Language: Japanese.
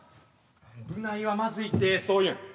部内はまずいってそういうん。